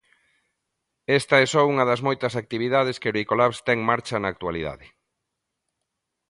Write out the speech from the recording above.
Esta é só unha das moitas actividades que Bricolabs ten marcha na actualidade.